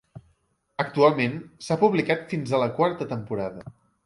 Actualment, s'ha publicat fins a la quarta temporada.